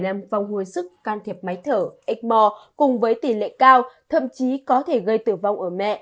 làm vòng hồi sức can thiệp máy thở cùng với tỉ lệ cao thậm chí có thể gây tử vong ở mẹ